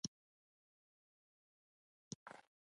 د میرمنو کار او تعلیم مهم دی ځکه چې ټولنې پراختیا سبب ګرځي.